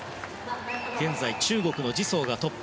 現在、中国のジ・ソウがトップ。